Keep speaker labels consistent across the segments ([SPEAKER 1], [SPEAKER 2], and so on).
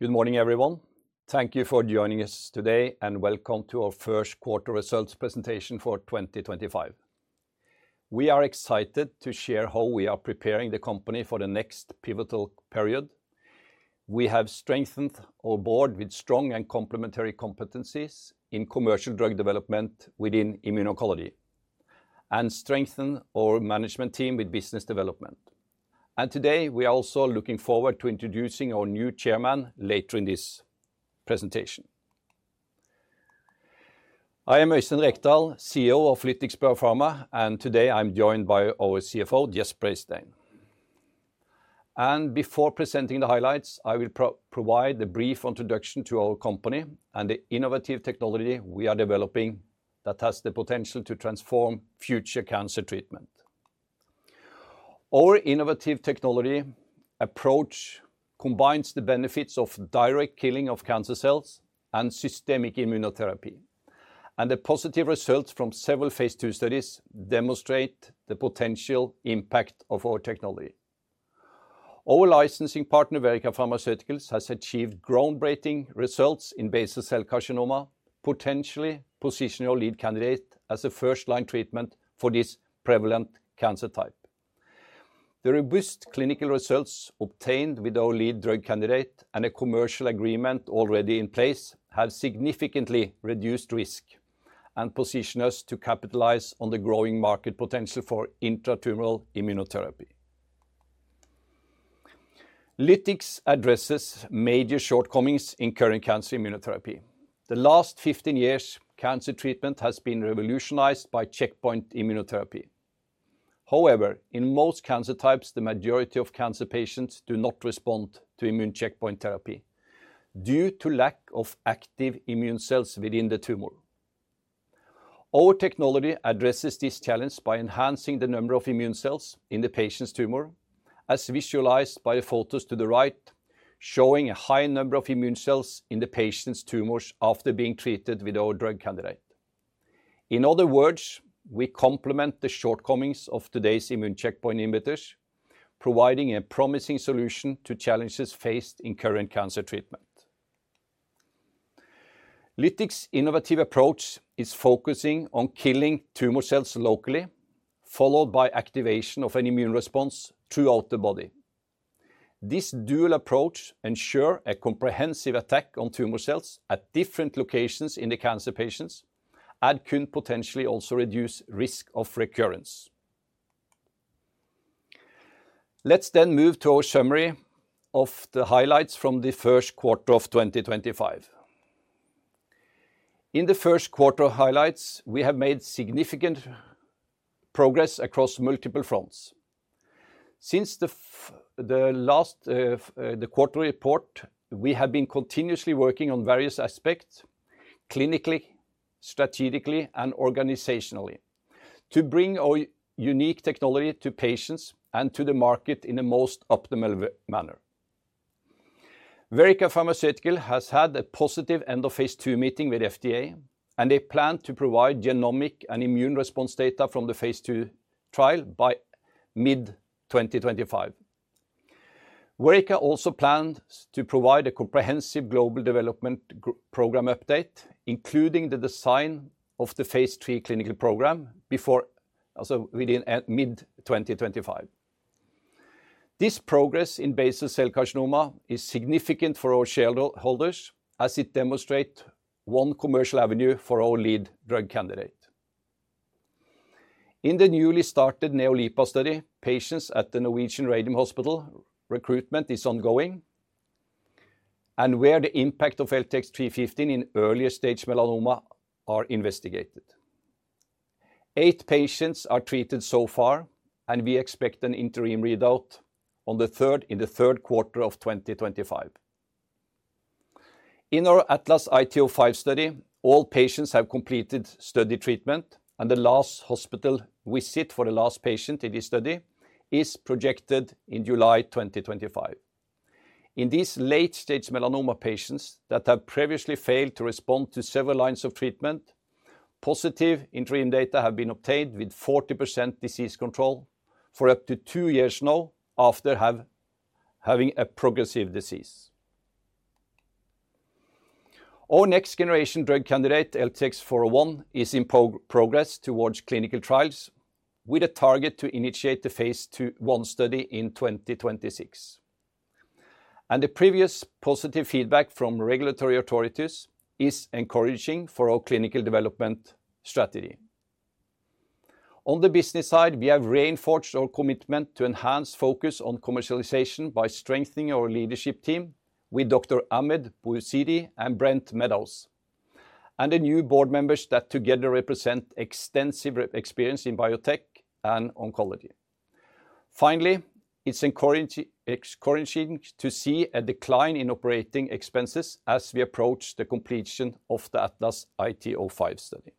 [SPEAKER 1] Good morning, everyone. Thank you for joining us today, and welcome to our first quarter results presentation for 2025. We are excited to share how we are preparing the company for the next pivotal period. We have strengthened our board with strong and complementary competencies in commercial drug development within immuno-oncology, and strengthened our management team with business development. Today, we are also looking forward to introducing our new chairman later in this presentation. I am Øystein Rekdal, CEO of Lytix Biopharma, and today I'm joined by our CFO, Gjest Breistein. Before presenting the highlights, I will provide a brief introduction to our company and the innovative technology we are developing that has the potential to transform future cancer treatment. Our innovative technology approach combines the benefits of direct killing of cancer cells and systemic immunotherapy, and the positive results from several phase II studies demonstrate the potential impact of our technology. Our licensing partner, Verrica Pharmaceuticals, has achieved groundbreaking results in basal cell carcinoma, potentially positioning our lead candidate as a first-line treatment for this prevalent cancer type. The robust clinical results obtained with our lead drug candidate and a commercial agreement already in place have significantly reduced risk and position us to capitalize on the growing market potential for intratumoral immunotherapy. Lytix addresses major shortcomings in current cancer immunotherapy. The last 15 years, cancer treatment has been revolutionized by checkpoint immunotherapy. However, in most cancer types, the majority of cancer patients do not respond to immune checkpoint therapy due to lack of active immune cells within the tumor. Our technology addresses this challenge by enhancing the number of immune cells in the patient's tumor, as visualized by the photos to the right, showing a high number of immune cells in the patient's tumors after being treated with our drug candidate. In other words, we complement the shortcomings of today's immune checkpoint inhibitors, providing a promising solution to challenges faced in current cancer treatment. Lytix's innovative approach is focusing on killing tumor cells locally, followed by activation of an immune response throughout the body. This dual approach ensures a comprehensive attack on tumor cells at different locations in the cancer patients and could potentially also reduce the risk of recurrence. Let's then move to our summary of the highlights from the first quarter of 2025. In the first quarter highlights, we have made significant progress across multiple fronts. Since the last quarter report, we have been continuously working on various aspects clinically, strategically, and organizationally to bring our unique technology to patients and to the market in the most optimal manner. Verrica Pharmaceuticals has had a positive end-of-phase II meeting with the FDA, and they plan to provide genomic and immune response data from the phase II trial by mid-2025. Verrica also plans to provide a comprehensive global development program update, including the design of the phase three clinical program before mid-2025. This progress in basal cell carcinoma is significant for our shareholders, as it demonstrates one commercial avenue for our lead drug candidate. In the newly started NeoLIPA study, patients at the Norwegian Radium Hospital recruitment is ongoing, and where the impact of LTX-315 in early-stage melanoma is investigated. Eight patients are treated so far, and we expect an interim readout in the third quarter of 2025. In our ATLAS-IT-O-5 study, all patients have completed study treatment, and the last hospital visit for the last patient in this study is projected in July 2025. In these late-stage melanoma patients that have previously failed to respond to several lines of treatment, positive interim data have been obtained with 40% disease control for up to two years now after having a progressive disease. Our next-generation drug candidate, LTX-401, is in progress towards clinical trials with a target to initiate the phase II study in 2026. The previous positive feedback from regulatory authorities is encouraging for our clinical development strategy. On the business side, we have reinforced our commitment to enhance focus on commercialization by strengthening our leadership team with Dr. Ahmed Bouzidi and Brent Meadows, and the new board members that together represent extensive experience in biotech and oncology. Finally, it's encouraging to see a decline in operating expenses as we approach the completion of the ATLAS-IT-O-5 study.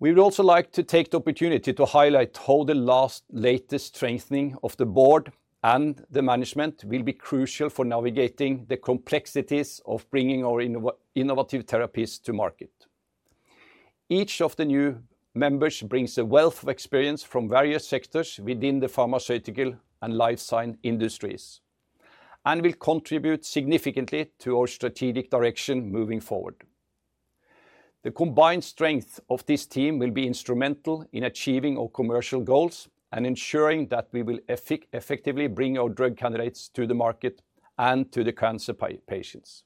[SPEAKER 1] We would also like to take the opportunity to highlight how the latest strengthening of the board and the management will be crucial for navigating the complexities of bringing our innovative therapies to market. Each of the new members brings a wealth of experience from various sectors within the pharmaceutical and life science industries and will contribute significantly to our strategic direction moving forward. The combined strength of this team will be instrumental in achieving our commercial goals and ensuring that we will effectively bring our drug candidates to the market and to the cancer patients.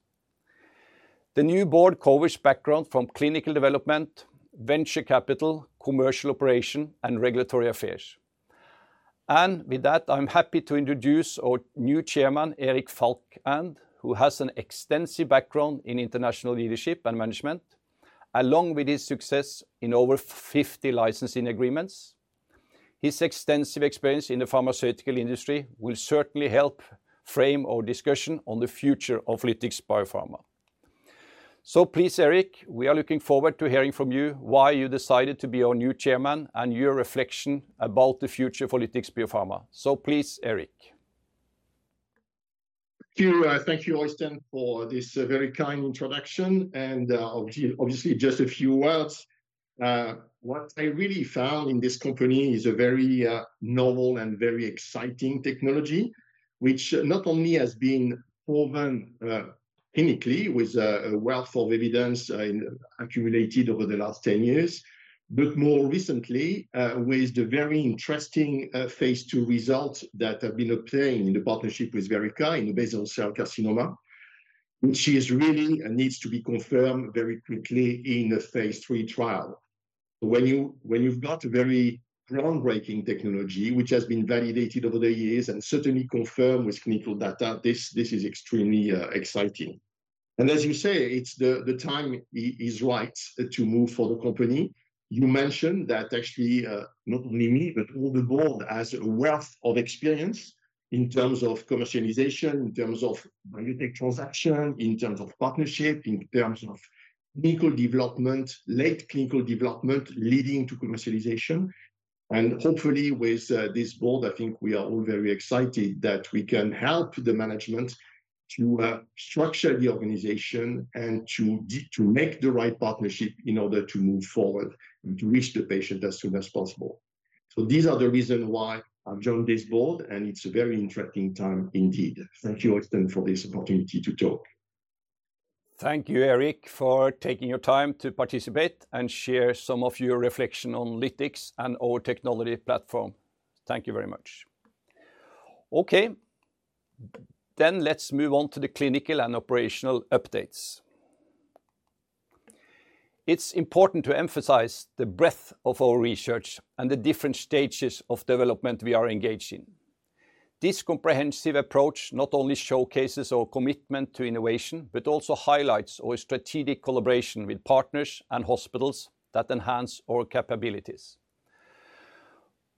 [SPEAKER 1] The new board covers background from clinical development, venture capital, commercial operation, and regulatory affairs. With that, I'm happy to introduce our new Chairman, Erik Falcand, who has an extensive background in international leadership and management, along with his success in over 50 licensing agreements. His extensive experience in the pharmaceutical industry will certainly help frame our discussion on the future of Lytix Biopharma. Please, Erik, we are looking forward to hearing from you why you decided to be our new Chairman and your reflection about the future for Lytix Biopharma. Please, Erik.
[SPEAKER 2] Thank you, Øystein, for this very kind introduction. Obviously, just a few words. What I really found in this company is a very novel and very exciting technology, which not only has been proven clinically with a wealth of evidence accumulated over the last 10 years, but more recently with the very interesting phase II results that have been obtained in the partnership with Verrica in basal cell carcinoma, which really needs to be confirmed very quickly in a phase III. When you've got a very groundbreaking technology, which has been validated over the years and certainly confirmed with clinical data, this is extremely exciting. As you say, the time is right to move for the company. You mentioned that actually not only me, but all the board has a wealth of experience in terms of commercialization, in terms of biotech transaction, in terms of partnership, in terms of clinical development, late clinical development leading to commercialization. Hopefully with this board, I think we are all very excited that we can help the management to structure the organization and to make the right partnership in order to move forward and to reach the patient as soon as possible. These are the reasons why I've joined this board, and it's a very interesting time indeed. Thank you, Øystein, for this opportunity to talk.
[SPEAKER 1] Thank you, Erik, for taking your time to participate and share some of your reflection on Lytix and our technology platform. Thank you very much. Okay, then let's move on to the clinical and operational updates. It's important to emphasize the breadth of our research and the different stages of development we are engaged in. This comprehensive approach not only showcases our commitment to innovation, but also highlights our strategic collaboration with partners and hospitals that enhance our capabilities.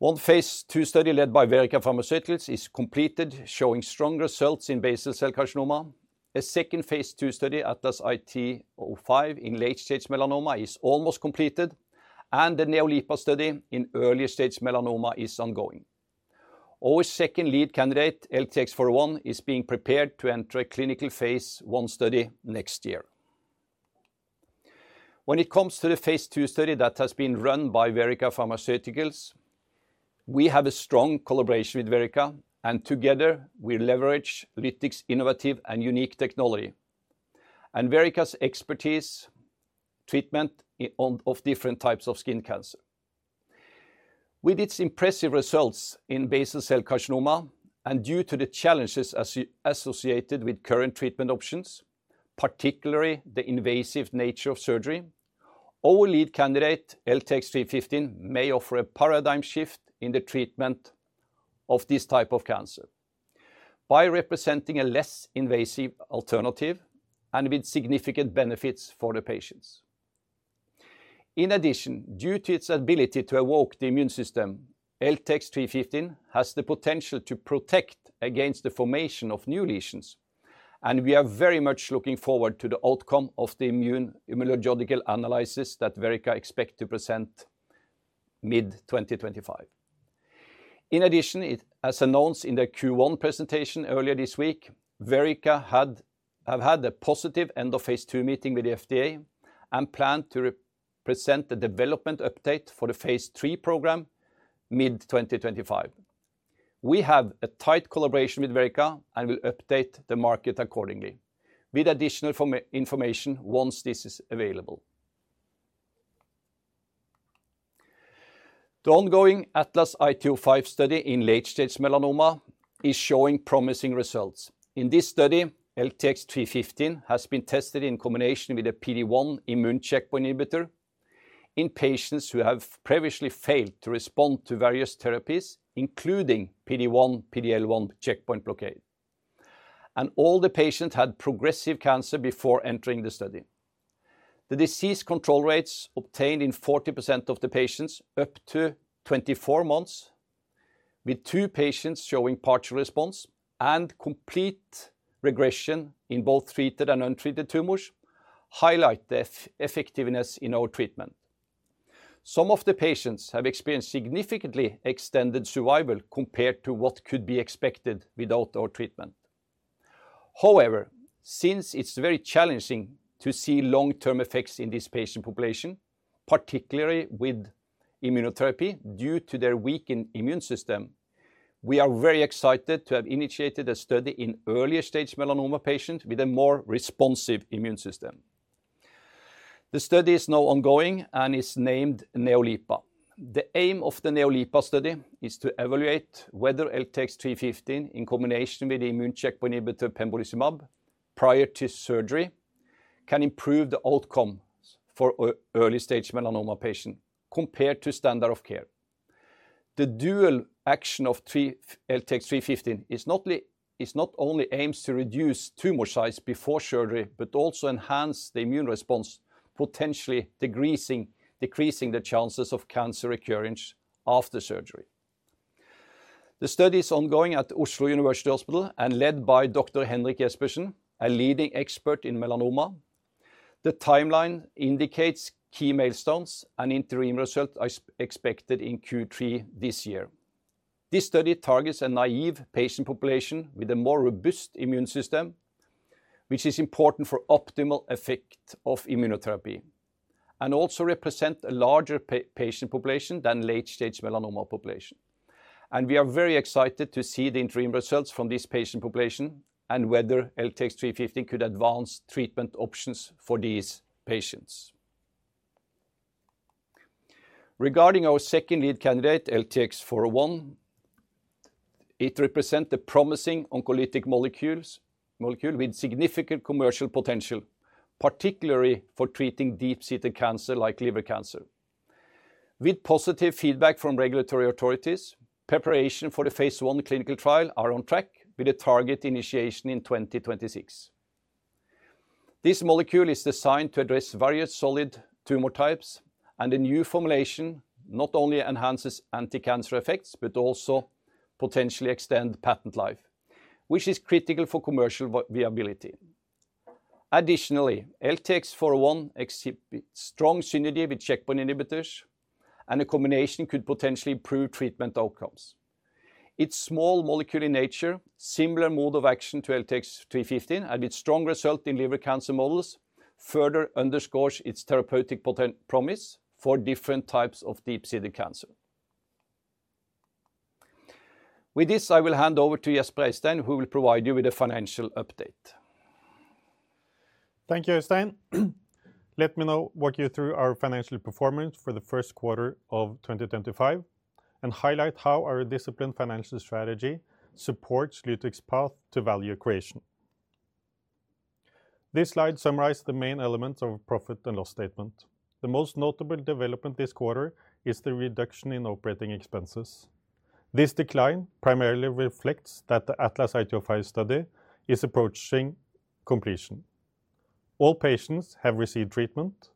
[SPEAKER 1] One phase II study led by Verrica Pharmaceuticals is completed, showing strong results in basal cell carcinoma. A second phase II study, ATLAS-IT-O-5 in late-stage melanoma, is almost completed, and the NeoLIPA study in early-stage melanoma is ongoing. Our second lead candidate, LTX-401, is being prepared to enter a clinical phase I study next year. When it comes to the phase II study that has been run by Verrica Pharmaceuticals, we have a strong collaboration with Verrica, and together we leverage Lytix's innovative and unique technology and Verrica's expertise treatment of different types of skin cancer. With its impressive results in basal cell carcinoma and due to the challenges associated with current treatment options, particularly the invasive nature of surgery, our lead candidate, LTX-315, may offer a paradigm shift in the treatment of this type of cancer by representing a less invasive alternative and with significant benefits for the patients. In addition, due to its ability to evoke the immune system, LTX-315 has the potential to protect against the formation of new lesions, and we are very much looking forward to the outcome of the immunohematological analysis that Verrica expects to present mid-2025. In addition, as announced in the Q1 presentation earlier this week, Verrica have had a positive end-of-phase II meeting with the FDA and plan to present a development update for the phase III program mid-2025. We have a tight collaboration with Verrica and will update the market accordingly with additional information once this is available. The ongoing ATLAS-IT-O-5 study in late-stage melanoma is showing promising results. In this study, LTX0-315 has been tested in combination with a PD-1 immune checkpoint inhibitor in patients who have previously failed to respond to various therapies, including PD-1, PD-L1 checkpoint blockade, and all the patients had progressive cancer before entering the study. The disease control rates obtained in 40% of the patients up to 24 months, with two patients showing partial response and complete regression in both treated and untreated tumors, highlight the effectiveness in our treatment. Some of the patients have experienced significantly extended survival compared to what could be expected without our treatment. However, since it's very challenging to see long-term effects in this patient population, particularly with immunotherapy due to their weakened immune system, we are very excited to have initiated a study in early-stage melanoma patients with a more responsive immune system. The study is now ongoing and is named NeoLIPA. The aim of the NeoLIPA study is to evaluate whether LTX-315 in combination with the immune checkpoint inhibitor pembrolizumab prior to surgery can improve the outcome for early-stage melanoma patients compared to standard of care. The dual action of LTX-315 is not only aims to reduce tumor size before surgery, but also enhance the immune response, potentially decreasing the chances of cancer recurrence after surgery. The study is ongoing at Oslo University Hospital and led by Dr. Henrik Gjest Breistein, a leading expert in melanoma. The timeline indicates key milestones and interim results expected in Q3 this year. This study targets a naive patient population with a more robust immune system, which is important for optimal effect of immunotherapy and also represents a larger patient population than late-stage melanoma population. We are very excited to see the interim results from this patient population and whether LTX-315 could advance treatment options for these patients. Regarding our second lead candidate, LTX-401, it represents a promising oncolytic molecule with significant commercial potential, particularly for treating deep-seated cancer like liver cancer. With positive feedback from regulatory authorities, preparation for the phase I clinical trial is on track with a target initiation in 2026. This molecule is designed to address various solid tumor types, and the new formulation not only enhances anti-cancer effects, but also potentially extends patent life, which is critical for commercial viability. Additionally, LTX-401 exhibits strong synergy with checkpoint inhibitors, and the combination could potentially improve treatment outcomes. Its small molecule in nature, similar mode of action to LTX-315, and its strong result in liver cancer models further underscores its therapeutic promise for different types of deep-seated cancer. With this, I will hand over to Gjest Breistein, who will provide you with a financial update.
[SPEAKER 3] Thank you, Øystein. Let me now walk you through our financial performance for the first quarter of 2025 and highlight how our disciplined financial strategy supports Lytix's path to value creation. This slide summarizes the main elements of our profit and loss statement. The most notable development this quarter is the reduction in operating expenses. This decline primarily reflects that the ATLAS-IT-O-5 study is approaching completion. All patients have received treatment,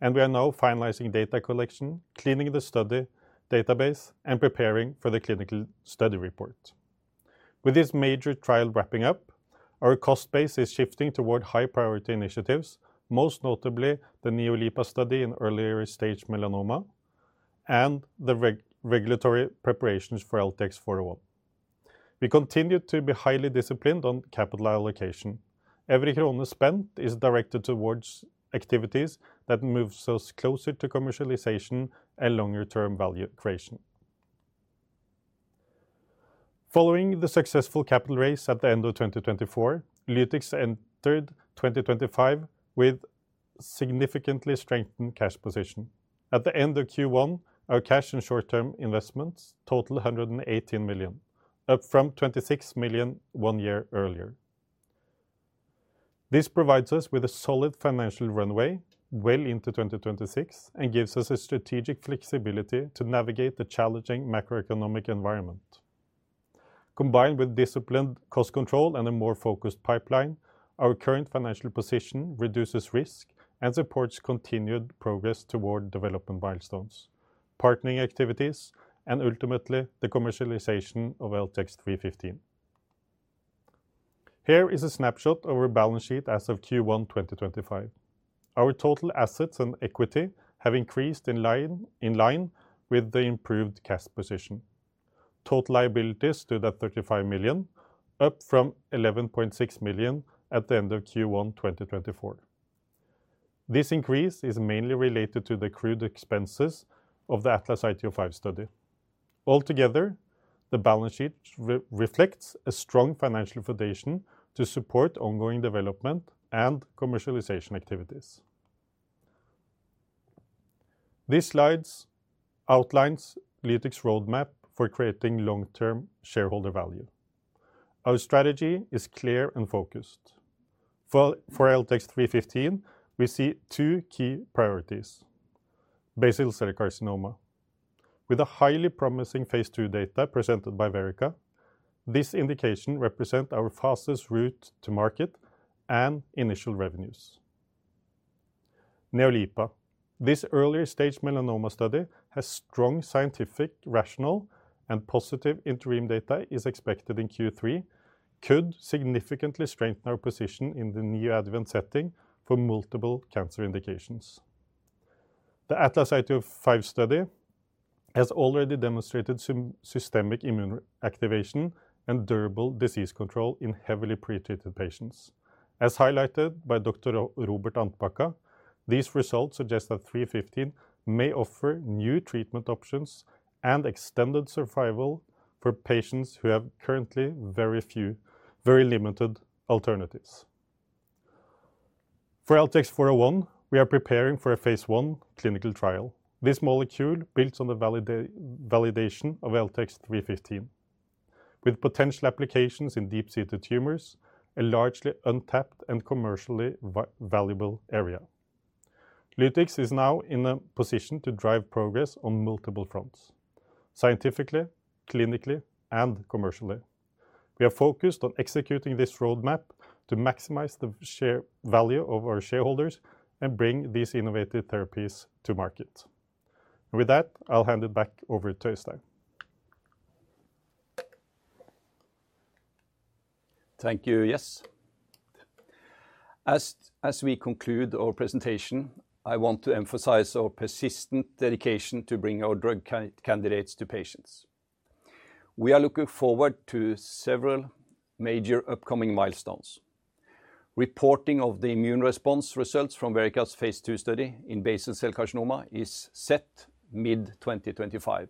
[SPEAKER 3] and we are now finalizing data collection, cleaning the study database, and preparing for the clinical study report. With this major trial wrapping up, our cost base is shifting toward high-priority initiatives, most notably the NeoLIPA study in early-stage melanoma and the regulatory preparations for LTX-401. We continue to be highly disciplined on capital allocation. Every krone spent is directed towards activities that move us closer to commercialization and longer-term value creation. Following the successful capital raise at the end of 2024, Lytix entered 2025 with a significantly strengthened cash position. At the end of Q1, our cash and short-term investments totaled 118 million, up from 26 million one year earlier. This provides us with a solid financial runway well into 2026 and gives us a strategic flexibility to navigate the challenging macroeconomic environment. Combined with disciplined cost control and a more focused pipeline, our current financial position reduces risk and supports continued progress toward development milestones, partnering activities, and ultimately the commercialization of LTX-315. Here is a snapshot of our balance sheet as of Q1 2025. Our total assets and equity have increased in line with the improved cash position. Total liabilities stood at 35 million, up from 11.6 million at the end of Q1 2024. This increase is mainly related to the accrued expenses of the ATLAS-IT-O-5 study. Altogether, the balance sheet reflects a strong financial foundation to support ongoing development and commercialization activities. This slide outlines Lytix's roadmap for creating long-term shareholder value. Our strategy is clear and focused. For LTX-315, we see two key priorities: basal cell carcinoma. With the highly promising phase II data presented by Verrica, this indication represents our fastest route to market and initial revenues. NeoLIPA, this early-stage melanoma study has strong scientific rational and positive interim data expected in Q3, could significantly strengthen our position in the new adjuvant setting for multiple cancer indications. The ATLAS-IT-O-5 study has already demonstrated systemic immune activation and durable disease control in heavily pretreated patients. As highlighted by Dr. Robert Andtbacka, these results suggest that 315 may offer new treatment options and extended survival for patients who have currently very few, very limited alternatives. For LTX-401, we are preparing for a phase I clinical trial. This molecule builds on the validation of LTX-315, with potential applications in deep-seated tumors, a largely untapped and commercially valuable area. Lytix is now in a position to drive progress on multiple fronts: scientifically, clinically, and commercially. We are focused on executing this roadmap to maximize the share value of our shareholders and bring these innovative therapies to market. I'll hand it back over to Øystein.
[SPEAKER 1] Thank you, Gjest. As we conclude our presentation, I want to emphasize our persistent dedication to bring our drug candidates to patients. We are looking forward to several major upcoming milestones. Reporting of the immune response results from Verrica's phase II study in basal cell carcinoma is set mid-2025.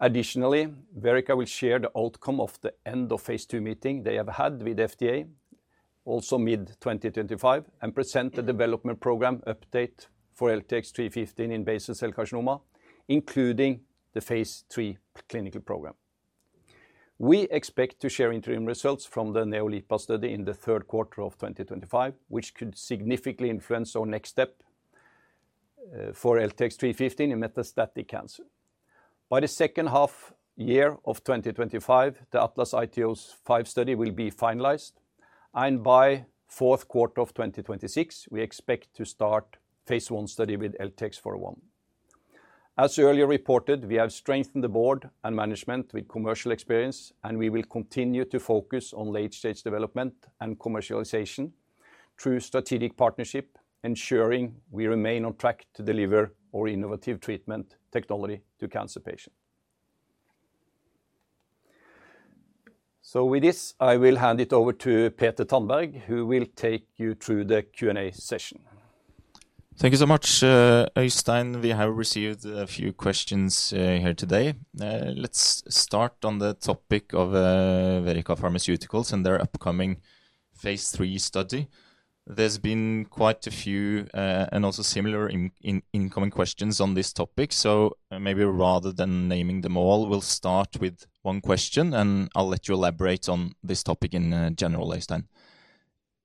[SPEAKER 1] Additionally, Verrica will share the outcome of the end-of-phase II meeting they have had with the FDA, also mid-2025, and present the development program update for LTX-315 in basal cell carcinoma, including the phase III clinical program. We expect to share interim results from the NeoLIPA study in the third quarter of 2025, which could significantly influence our next step for LTX-315 in metastatic cancer. By the second half year of 2025, the ATLAS-IT-O-5 study will be finalized, and by the fourth quarter of 2026, we expect to start phase I study with LTX-401. As earlier reported, we have strengthened the board and management with commercial experience, and we will continue to focus on late-stage development and commercialization through strategic partnership, ensuring we remain on track to deliver our innovative treatment technology to cancer patients. With this, I will hand it over to Peter Tunberg, who will take you through the Q&A session.
[SPEAKER 4] Thank you so much, Øystein. We have received a few questions here today. Let's start on the topic of Verrica Pharmaceuticals and their upcoming phase III study. There's been quite a few and also similar incoming questions on this topic, so maybe rather than naming them all, we'll start with one question, and I'll let you elaborate on this topic in general, Øystein.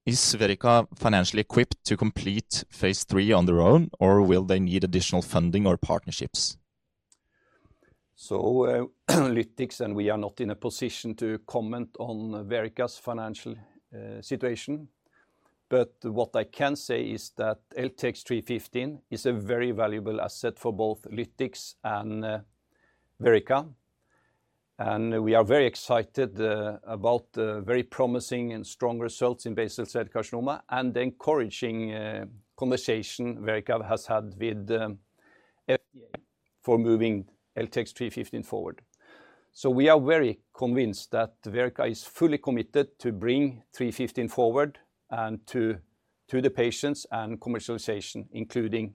[SPEAKER 4] Is Verrica financially equipped to complete phase III on their own, or will they need additional funding or partnerships?
[SPEAKER 1] Lytix, and we are not in a position to comment on Verrica's financial situation, but what I can say is that LTX-315 is a very valuable asset for both Lytix and Verrica, and we are very excited about the very promising and strong results in basal cell carcinoma and the encouraging conversation Verrica has had with the FDA for moving LTX-315 forward. We are very convinced that Verrica is fully committed to bringing 315 forward and to the patients and commercialization, including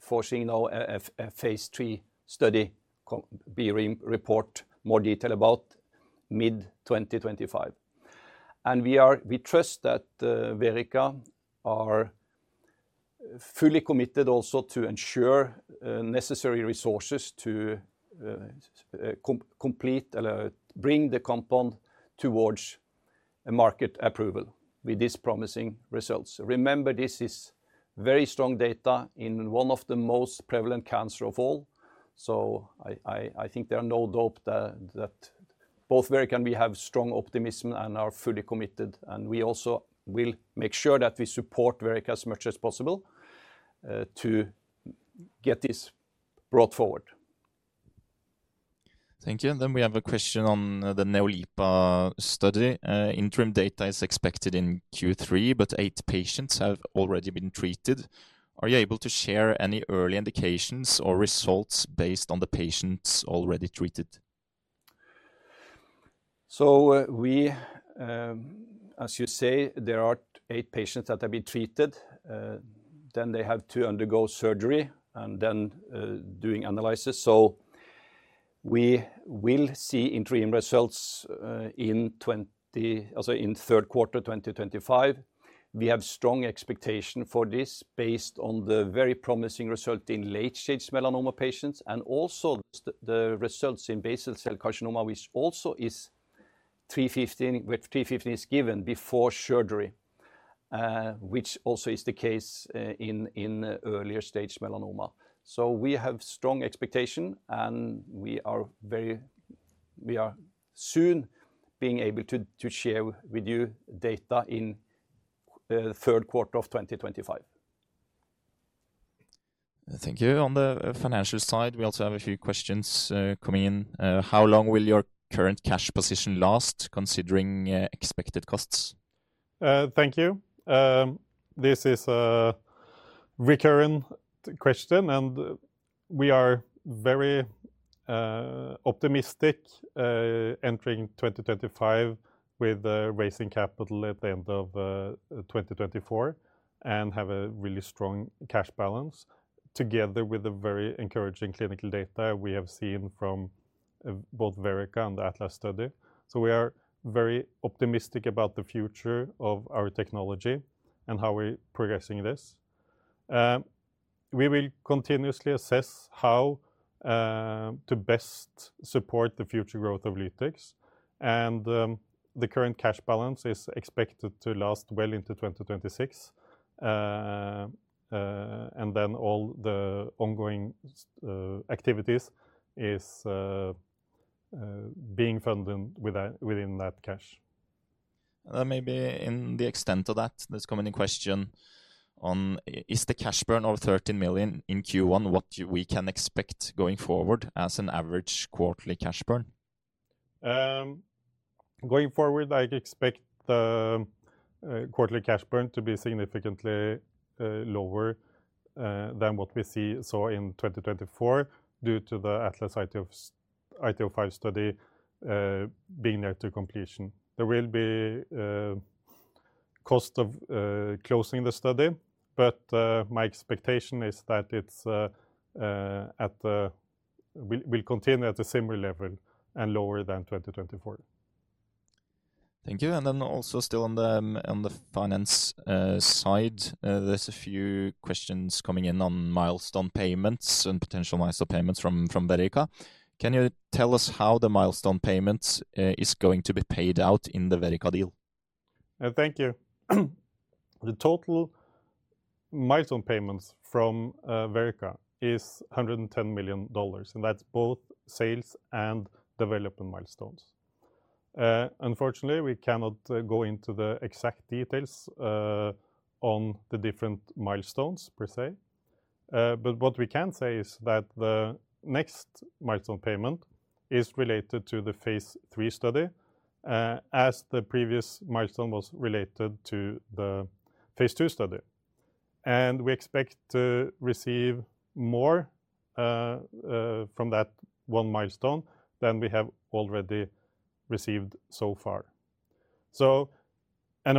[SPEAKER 1] forcing now a phase III study report, more detail about mid-2025. We trust that Verrica is fully committed also to ensure necessary resources to complete or bring the compound towards market approval with these promising results. Remember, this is very strong data in one of the most prevalent cancers of all, so I think there is no doubt that both Verrica and we have strong optimism and are fully committed, and we also will make sure that we support Verrica as much as possible to get this brought forward.
[SPEAKER 4] Thank you. We have a question on the NeoLIPA study. Interim data is expected in Q3, but eight patients have already been treated. Are you able to share any early indications or results based on the patients already treated?
[SPEAKER 1] As you say, there are eight patients that have been treated. Then they have to undergo surgery and then do analysis. We will see interim results in third quarter 2025. We have strong expectations for this based on the very promising result in late-stage melanoma patients and also the results in basal cell carcinoma, which also is 315, where 315 is given before surgery, which also is the case in earlier-stage melanoma. We have strong expectations, and we are very, we are soon being able to share with you data in the third quarter of 2025.
[SPEAKER 4] Thank you. On the financial side, we also have a few questions coming in. How long will your current cash position last, considering expected costs?
[SPEAKER 3] Thank you. This is a recurring question, and we are very optimistic entering 2025 with raising capital at the end of 2024 and have a really strong cash balance together with the very encouraging clinical data we have seen from both Verrica and the ATLAS study. We are very optimistic about the future of our technology and how we are progressing this. We will continuously assess how to best support the future growth of Lytix, and the current cash balance is expected to last well into 2026, and then all the ongoing activities are being funded within that cash.
[SPEAKER 4] Maybe in the extent of that, there's a coming in question on, is the cash burn of 13 million in Q1 what we can expect going forward as an average quarterly cash burn?
[SPEAKER 3] Going forward, I expect the quarterly cash burn to be significantly lower than what we saw in 2024 due to the ATLAS-IT-O-5 study being near to completion. There will be a cost of closing the study, but my expectation is that it will continue at a similar level and lower than 2024.
[SPEAKER 4] Thank you. Also, still on the finance side, there's a few questions coming in on milestone payments and potential milestone payments from Verrica. Can you tell us how the milestone payment is going to be paid out in the Verrica deal?
[SPEAKER 3] Thank you. The total milestone payments from Verrica is $110 million, and that's both sales and development milestones. Unfortunately, we cannot go into the exact details on the different milestones per se, but what we can say is that the next milestone payment is related to the phase III study, as the previous milestone was related to the phase II study, and we expect to receive more from that one milestone than we have already received so far.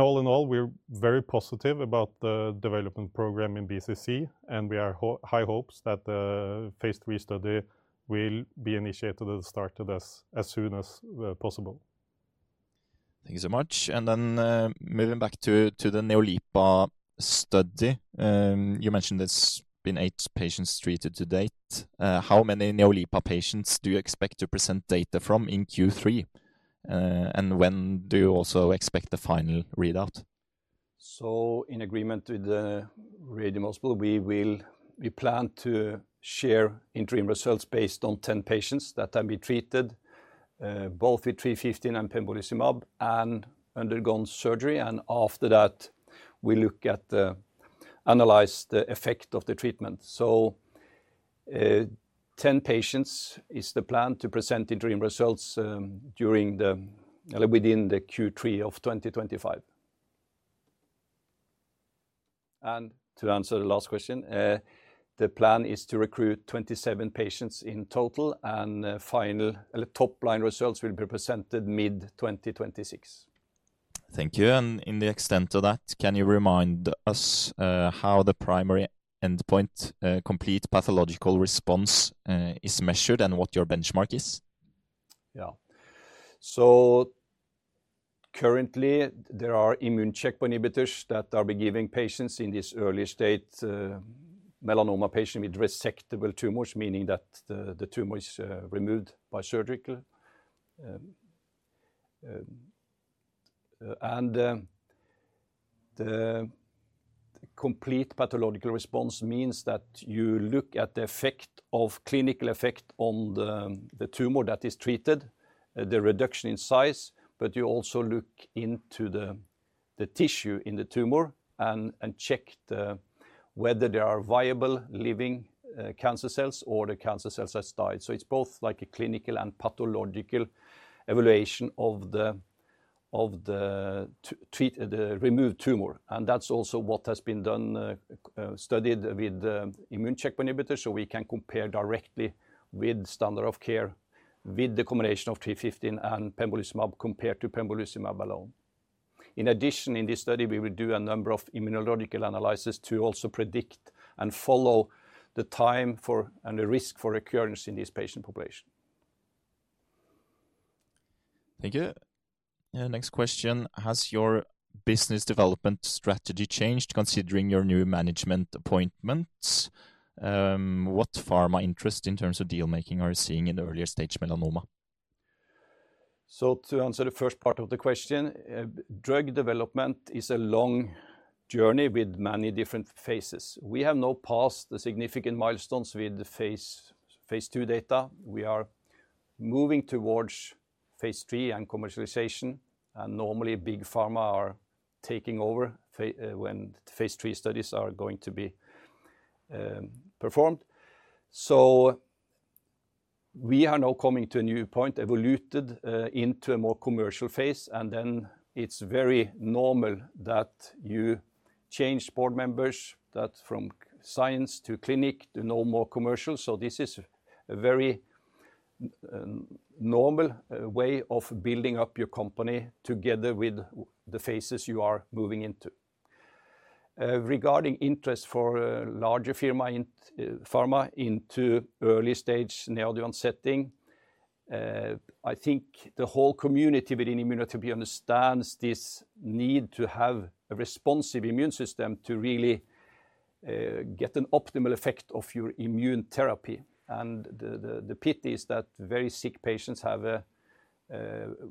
[SPEAKER 3] All in all, we're very positive about the development program in BCC, and we have high hopes that the phase III study will be initiated and started as soon as possible.
[SPEAKER 4] Thank you so much. Then moving back to the NeoLIPA study, you mentioned it's been eight patients treated to date. How many NeoLIPA patients do you expect to present data from in Q3, and when do you also expect the final readout?
[SPEAKER 1] In agreement with the ready mobile, we plan to share interim results based on 10 patients that have been treated both with 315 and pembrolizumab and undergone surgery, and after that, we look at the analyzed effect of the treatment. 10 patients is the plan to present interim results within Q3 of 2025. To answer the last question, the plan is to recruit 27 patients in total, and final top-line results will be presented mid-2026.
[SPEAKER 4] Thank you. In the extent of that, can you remind us how the primary endpoint complete pathological response is measured and what benchmark is?
[SPEAKER 1] Yeah. Currently, there are immune checkpoint inhibitors that are being given to patients in this early-stage melanoma, patients with resectable tumors, meaning that the tumor is removed by surgery. The complete pathological response means that you look at the effect, the clinical effect on the tumor that is treated, the reduction in size, but you also look into the tissue in the tumor and check whether there are viable living cancer cells or the cancer cells that died. It is both like a clinical and pathological evaluation of the removed tumor, and that is also what has been studied with immune checkpoint inhibitors, so we can compare directly with standard of care with the combination of 315 and pembrolizumab compared to pembrolizumab alone. In addition, in this study, we will do a number of immunological analyses to also predict and follow the time for and the risk for recurrence in this patient population.
[SPEAKER 4] Thank you. Next question. Has your business development strategy changed considering your new management appointments? What pharma interest in terms of dealmaking are you seeing in earlier-stage melanoma?
[SPEAKER 1] To answer the first part of the question, drug development is a long journey with many different phases. We have now passed the significant milestones with phase II data. We are moving towards phase III and commercialization, and normally big pharma are taking over when phase III studies are going to be performed. We are now coming to a new point, evoluted into a more commercial phase, and then it's very normal that you change board members from science to clinic to now more commercial. This is a very normal way of building up your company together with the phases you are moving into. Regarding interest for larger pharma into early-stage neoadjuvant setting, I think the whole community within immunotherapy understands this need to have a responsive immune system to really get an optimal effect of your immune therapy. The pity is that very sick patients have a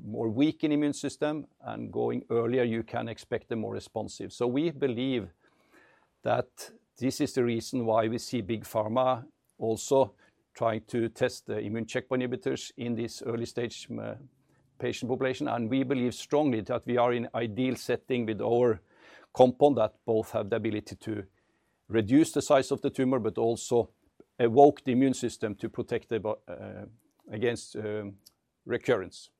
[SPEAKER 1] more weakened immune system, and going earlier, you can expect them more responsive. We believe that this is the reason why we see big pharma also trying to test the immune checkpoint inhibitors in this early-stage patient population, and we believe strongly that we are in an ideal setting with our compound that both have the ability to reduce the size of the tumor but also evoke the immune system to protect against recurrence.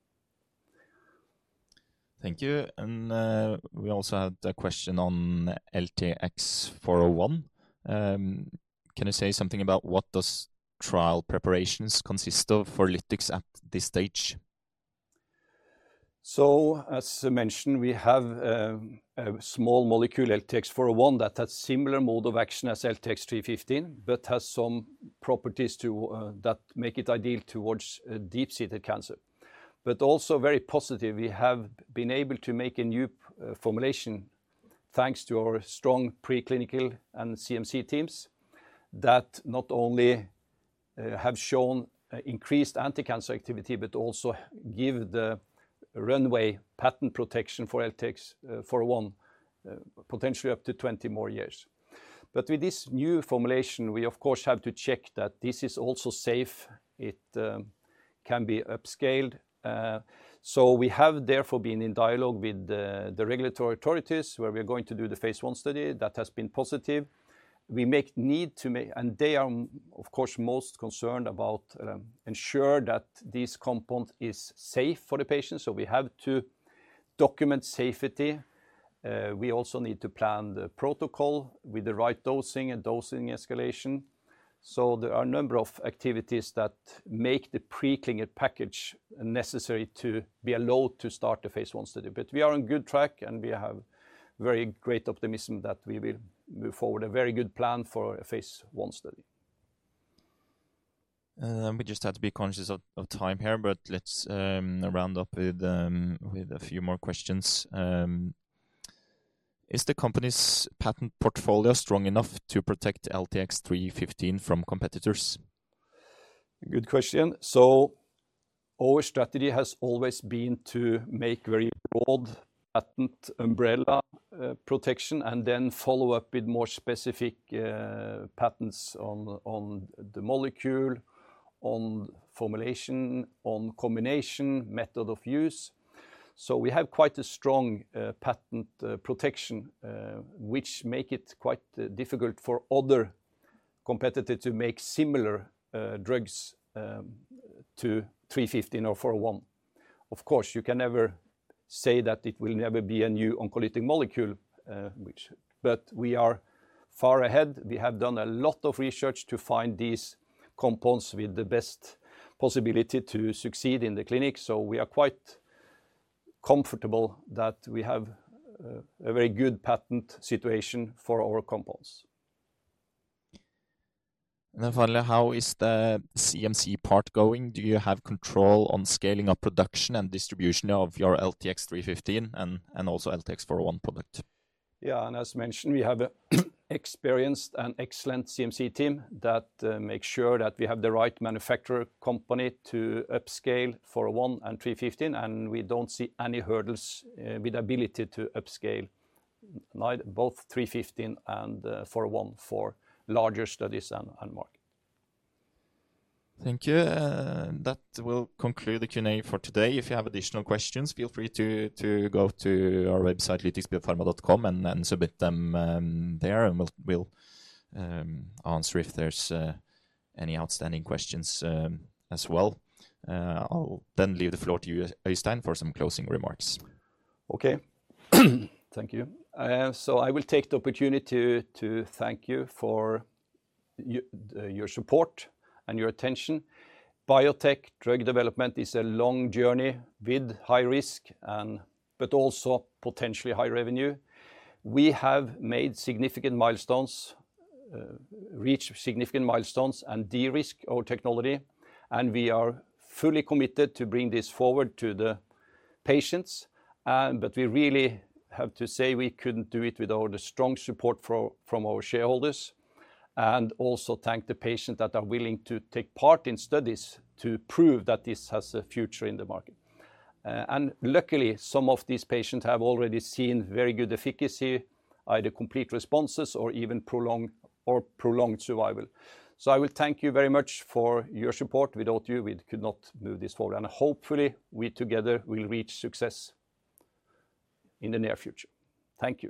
[SPEAKER 4] Thank you. We also had a question on LTX-401. Can you say something about what those trial preparations consist of for Lytix at this stage?
[SPEAKER 1] As mentioned, we have a small molecule, LTX-401, that has a similar mode of action as LTX-315, but has some properties that make it ideal towards deep-seated cancer. Also very positive, we have been able to make a new formulation thanks to our strong preclinical and CMC teams that not only have shown increased anti-cancer activity, but also give the runway patent protection for LTX-401, potentially up to 20 more years. With this new formulation, we, of course, have to check that this is also safe. It can be upscaled. We have therefore been in dialogue with the regulatory authorities where we are going to do the phase I study that has been positive. We may need to, and they are, of course, most concerned about ensuring that this compound is safe for the patients. We have to document safety. We also need to plan the protocol with the right dosing and dosing escalation. There are a number of activities that make the preclinical package necessary to be allowed to start the phase I study, but we are on good track, and we have very great optimism that we will move forward. A very good plan for a phase I study.
[SPEAKER 4] We just have to be conscious of time here, but let's round up with a few more questions. Is the company's patent portfolio strong enough to protect LTX-315 from competitors?
[SPEAKER 1] Good question. Our strategy has always been to make very broad patent umbrella protection and then follow up with more specific patents on the molecule, on formulation, on combination, method of use. We have quite a strong patent protection, which makes it quite difficult for other competitors to make similar drugs to 315 or 401. Of course, you can never say that it will never be a new oncolytic molecule, but we are far ahead. We have done a lot of research to find these compounds with the best possibility to succeed in the clinic, so we are quite comfortable that we have a very good patent situation for our compounds.
[SPEAKER 4] Finally, how is the CMC part going? Do you have control on scaling up production and distribution of your LTX-315 and also LTX-401 product?
[SPEAKER 1] Yeah, and as mentioned, we have experienced and excellent CMC team that makes sure that we have the right manufacturer company to upscale 401 and 315, and we do not see any hurdles with the ability to upscale both 315 and 401 for larger studies and market.
[SPEAKER 4] Thank you. That will conclude the Q&A for today. If you have additional questions, feel free to go to our website, lytixbiopharma.com, and submit them there, and we'll answer if there's any outstanding questions as well. I'll then leave the floor to you, Øystein, for some closing remarks.
[SPEAKER 1] Okay. Thank you. I will take the opportunity to thank you for your support and your attention. Biotech drug development is a long journey with high risk, but also potentially high revenue. We have made significant milestones, reached significant milestones and de-risked our technology, and we are fully committed to bringing this forward to the patients. We really have to say we could not do it without the strong support from our shareholders and also thank the patients that are willing to take part in studies to prove that this has a future in the market. Luckily, some of these patients have already seen very good efficacy, either complete responses or even prolonged survival. I will thank you very much for your support. Without you, we could not move this forward, and hopefully, we together will reach success in the near future. Thank you.